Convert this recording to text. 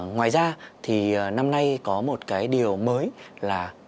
ngoài ra thì năm nay có một cái điều mới là